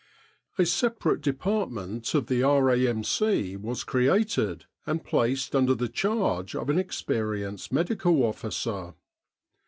A separate department of the R.A.M.C. was created and placed under the charge of an experienced Medical Officer.